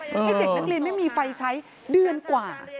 ให้เด็กนักเรียนไม่มีไฟใช้เดือนกว่า